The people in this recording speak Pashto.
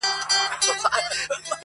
زارۍ.